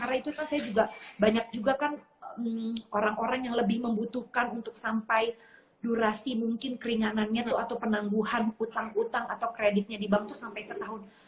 karena itu kan saya juga banyak juga kan orang orang yang lebih membutuhkan untuk sampai durasi mungkin keringanannya tuh atau penangguhan utang utang atau kreditnya di bank tuh sampai setahun